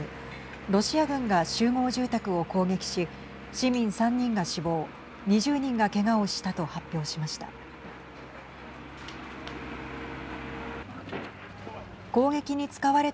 ロシア軍が集合住宅を攻撃し市民３人が死亡２０人がけがをしたと発表しました。